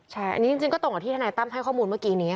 ใช่อันนี้จริงก็ตรงกับที่ทนายตั้มให้ข้อมูลเมื่อกี้นี้